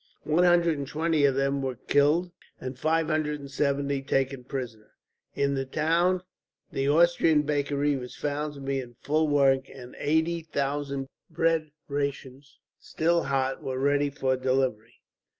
One hundred and twenty of them were killed, and five hundred and seventy taken prisoners. In the town the Austrian bakery was found to be in full work, and eighty thousand bread rations, still hot, were ready for delivery.